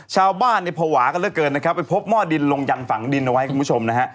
ชาวบ้านพวาก็เลือกเกินไปพบม่อดินลงยันฝังดินเอาไว้กับคุณผู้ชมนะฮะ